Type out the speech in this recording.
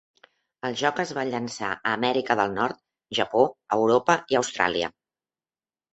El joc es va llançar a Amèrica del Nord, Japó, Europa i Austràlia.